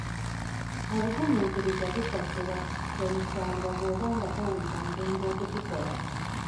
Obugumiikiriza busasula toyisanga bwoba nga towulira mirembe okukikola.